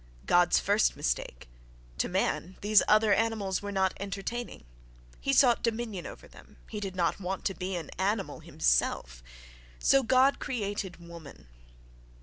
God's first mistake: to man these other animals were not entertaining—he sought dominion over them; he did not want to be an "animal" himself.—So God created woman.